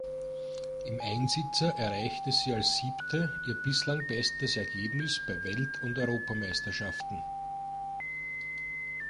Im Einsitzer erreichte sie als Siebte ihr bislang bestes Ergebnis bei Welt- und Europameisterschaften.